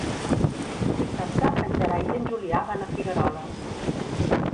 Dissabte en Gerai i en Julià van a Figueroles.